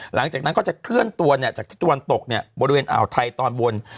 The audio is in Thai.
หลังจากนั้นก็จะเคลื่อนตัวจากทิศตะวันตกบริเวณอ่าวไทยตอนบน